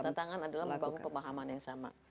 tantangan adalah membangun pemahaman yang sama